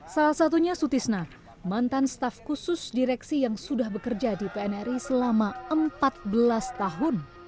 salah satunya sutisna mantan staf khusus direksi yang sudah bekerja di pnri selama empat belas tahun